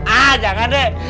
ah jangan deh